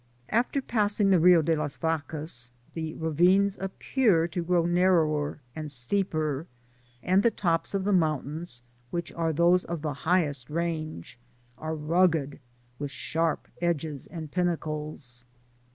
After passing the Rio de las Vacas, the ravines appear to grow narrower and steeper, and Uie tops of the mountains, which are those of the highest range, are rugged, with sharp edges and pinnacles.